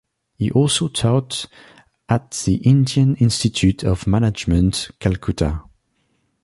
He also taught at the Indian Institute of Management Calcutta.